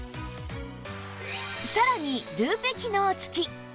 さらにルーペ機能付き！